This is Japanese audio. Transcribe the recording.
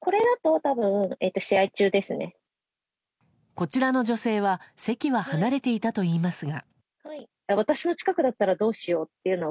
こちらの女性は席は離れていたといいますが。